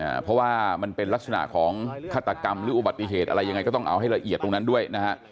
เพราะว่ามันเป็นลักษณะของฆาตกรรมหรืออุบัติเหตุอะไรยังไงก็ต้องเอาให้ละเอียดตรงนั้นด้วยนะฮะ